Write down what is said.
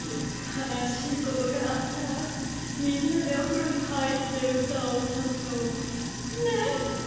かなしいことがあったらみんなでおふろにはいってうたをうたうの！ね？ね！